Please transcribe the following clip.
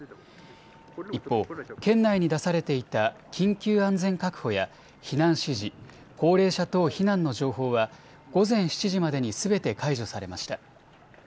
一方、県内に出されていた緊急安全確保や避難指示、高齢者等避難の情報は午前７時までにすべて解除されました。